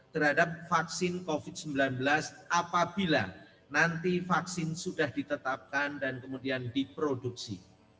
terhadap vaksin covid sembilan belas apabila nanti vaksin sudah ditetapkan dan kemudian diproduksi